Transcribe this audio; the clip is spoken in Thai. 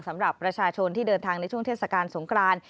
สำหรับประชาชนที่เดินทางในช่วงเทศกาลสงคราน